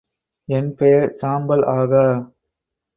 என் பெயர் சாம்பல் ஆகா.